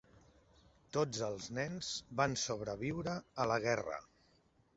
Tots els nens van sobreviure a la guerra.